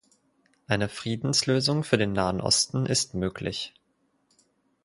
Eine Friedenslösung für den Nahen Osten ist möglich.